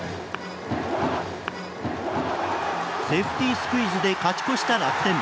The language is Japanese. セーフティースクイズで勝ち越した楽天。